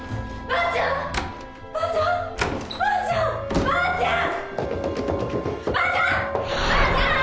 ばあちゃん！